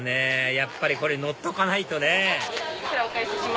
やっぱりこれ乗っとかないとね